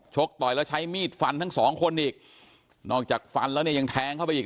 ต่อยแล้วใช้มีดฟันทั้งสองคนอีกนอกจากฟันแล้วเนี่ยยังแทงเข้าไปอีก